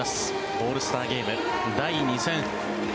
オールスターゲーム第２戦。